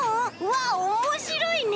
わあおもしろいね！